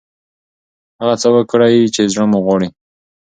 هغه څه وکړئ چې زړه مو غواړي.